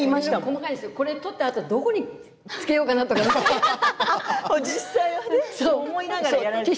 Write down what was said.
これを取ったあとどこにつけようかなとかね思いながら。